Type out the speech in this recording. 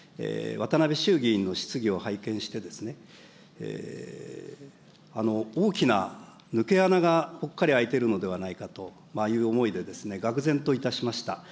わたなべしゅうぎ委員の質疑を拝見してですね、大きな抜け穴がぽっかり空いているのではないかという思いで、がく然といたしました。